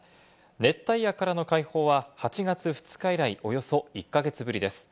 熱帯夜からの解放は８月２日以来、およそ１か月ぶりです。